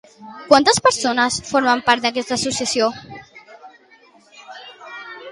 Quantes persones formen part d'aquesta associació?